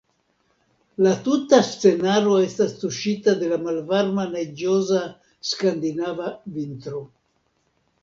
La tuta scenaro estas tuŝita de la malvarma neĝoza skandinava vintro.